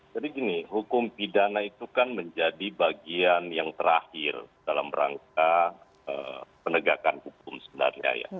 jadi gini hukum pidana itu kan menjadi bagian yang terakhir dalam rangka penegakan hukum sebenarnya